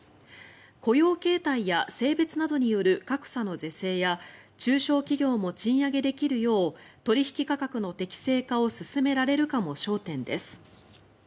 雇用形態や性別などによる格差の是正や中小企業も賃上げできるよう取引価格の適正化を進められるかも焦点です。